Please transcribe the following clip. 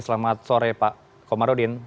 selamat sore pak komarudin